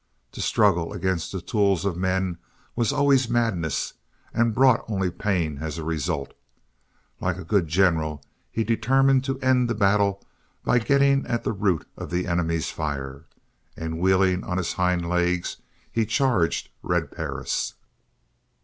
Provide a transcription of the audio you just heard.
To struggle against the tools of man was always madness and brought only pain as a result; like a good general he determined to end the battle by getting at the root of the enemy's fire, and wheeling on his hind legs he charged Red Perris.